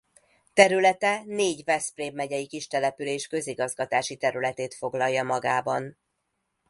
Területe négy Veszprém megyei kistelepülés közigazgatási területét foglalja magában.